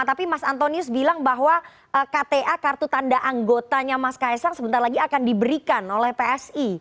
tapi mas antonius bilang bahwa kta kartu tanda anggotanya mas kaisang sebentar lagi akan diberikan oleh psi